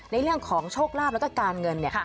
ในเรื่องของโชคลาบและการเงินเนี่ยค่ะ